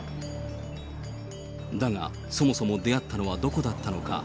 だが、そもそも出会ったのはどこだったのか。